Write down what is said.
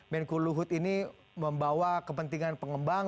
menkulu hut ini membawa kepentingan pengembang